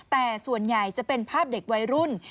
แต่ส่วนใหญ่จะเป็นภาพเด็กวัยรุ่น